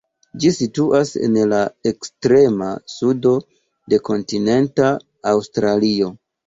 Ĝi situas en la ekstrema sudo de kontinenta Aŭstralio.